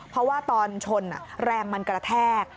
เพราะว่าตอนชนแรงมันกระแทก